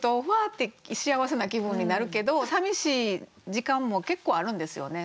って幸せな気分になるけどさみしい時間も結構あるんですよね。